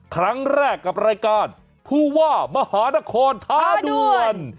ครั้งแรกกับรายการผู้ว่ามหานครท้าด่วน